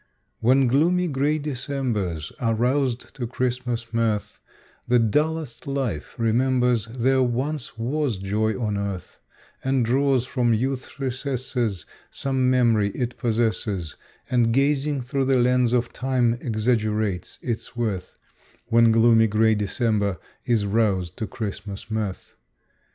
When gloomy, gray Decembers are roused to Christmas mirth, The dullest life remembers there once was joy on earth, And draws from youth's recesses Some memory it possesses, And, gazing through the lens of time, exaggerates its worth, When gloomy, gray December is roused to Christmas mirth.